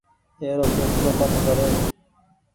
اي رو ڦيسلو مت ڪريس۔